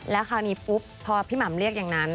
แล้วคราวนี้ปุ๊บพอพี่หม่ำเรียกอย่างนั้น